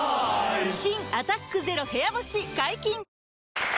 新「アタックＺＥＲＯ部屋干し」解禁‼